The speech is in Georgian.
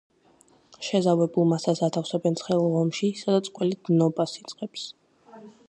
შეზავებულ მასას ათავსებენ ცხელ ღომში, სადაც ყველი დნობა იწყებს.